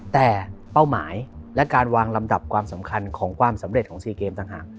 แต่เป้าหมายและการวางลำดับความสำคัญของความสำเร็จของ๔เกมต่างหาก